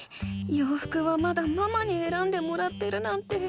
ようふくはまだママにえらんでもらってるなんて。